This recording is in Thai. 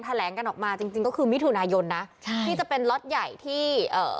แถลงกันออกมาจริงจริงก็คือมิถุนายนนะใช่ที่จะเป็นล็อตใหญ่ที่เอ่อ